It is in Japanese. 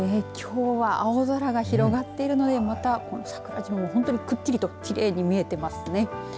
きょうは青空が広がっているのでまた桜島は本当にくっきりきれいに見えていますね。